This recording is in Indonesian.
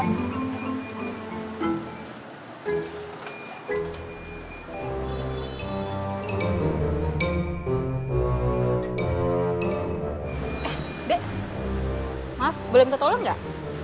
eh deh maaf belum minta tolong gak